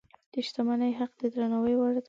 د شتمنۍ حق د درناوي وړ دی.